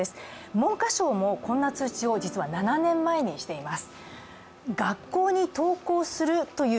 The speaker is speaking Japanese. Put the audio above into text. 文科省もこんな通知を実は７年前にしています。